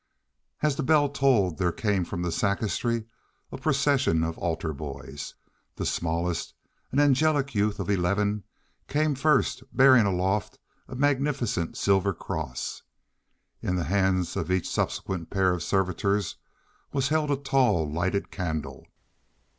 As the bell tolled there came from the sacristy a procession of altar boys. The smallest, an angelic youth of eleven, came first, bearing aloft a magnificent silver cross. In the hands of each subsequent pair of servitors was held a tall, lighted candle.